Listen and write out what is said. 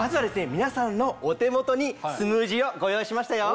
皆さんのお手元にスムージーをご用意しましたよ。